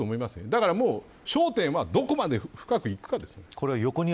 だからもう焦点はどこまで深くいくかですよ。